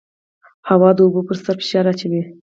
هوا د اوبو پر سر فشار اچوي.